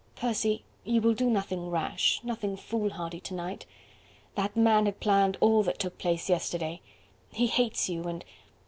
"Percy, you will do nothing rash, nothing foolhardy to night. That man had planned all that took place yesterday. He hates you, and